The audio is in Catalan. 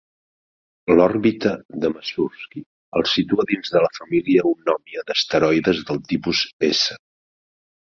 L'òrbita de Masursky el situa dins de la família Eunòmia d'asteroides del tipus S.